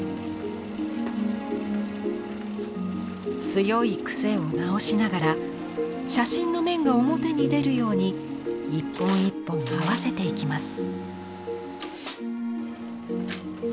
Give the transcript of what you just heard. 強い癖を直しながら写真の面が表に出るように一本一本合わせていきます。